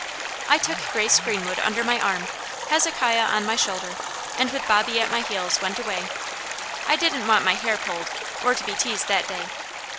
I took Grace Greenwood under my arm, Hezekiah on my shoulder, and with Bobby at my heels went away. I didn't want my hair pulled, or to be teased that day.